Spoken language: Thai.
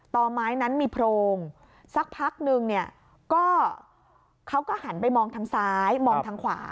ต่อไม้นั้นมีโพรงสักพักนึงเนี่ยก็เขาก็หันไปมองทางซ้ายมองทางขวา